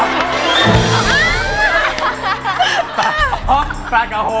มักกี้ฮามมากะฟื้อกะโฮกะโฮกะโฮ